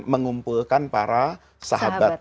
mengumpulkan para sahabat